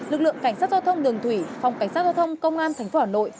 lực lượng cảnh sát giao thông đường thủy phòng cảnh sát giao thông công an thành phố hà nội